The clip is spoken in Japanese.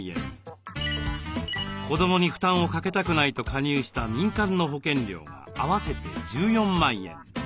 子どもに負担をかけたくないと加入した民間の保険料が合わせて１４万円。